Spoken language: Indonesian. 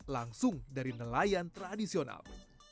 langsung dari nelayan tradisional